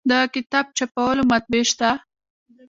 د کتاب چاپولو مطبعې شته